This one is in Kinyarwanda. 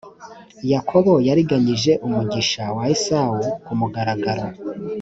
yakobo yariganyije umugisha wa esawu ku mugaragaro